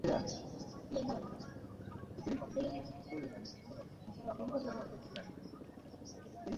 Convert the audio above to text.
কিন্তু সন্তানেরা দেশের মধ্যে থেকেও অনেক সময় অসুস্থ মা-বাবার দায়িত্ব নিতে চায় না।